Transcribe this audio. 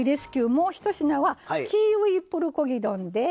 もう１品はキウイプルコギ丼です。